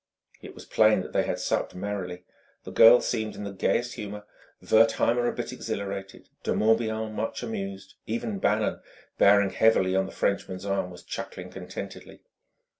It was plain that they had supped merrily; the girl seemed in the gayest humour, Wertheimer a bit exhilarated, De Morbihan much amused; even Bannon bearing heavily on the Frenchman's arm was chuckling contentedly.